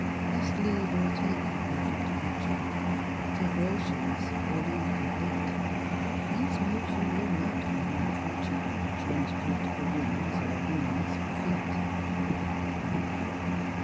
•• Best ]eave or take the perfect creature, Take all she is or leave comjjlete ; Transmute you will not form or feature. Change feet for vrings or wings for feet."